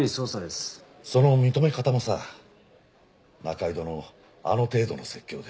その認め方もさ仲井戸のあの程度の説教で。